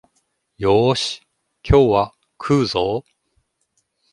よーし、今日は食うぞお